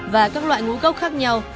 và các loại ngũ cốc khác nhau